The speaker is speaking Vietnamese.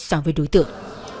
so với đối tượng